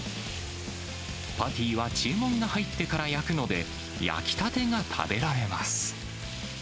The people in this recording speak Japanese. パティは注文が入ってから焼くので、焼きたてが食べられます。